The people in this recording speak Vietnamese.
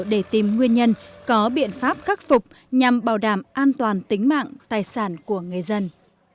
để tìm nguyên nhân có biện pháp khắc phục nhằm bảo đảm an toàn tính mạng tài sản của người dân